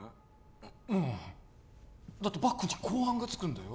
ううんだってバックに公安がつくんだよ